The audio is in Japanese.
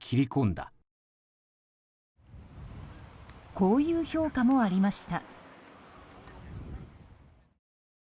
こういう評価もありました。